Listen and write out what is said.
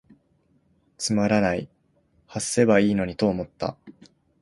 つまらない、癈せばいゝのにと思つた。